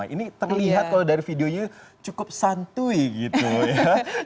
ini terlihat kalau dari videonya cukup santui gitu ya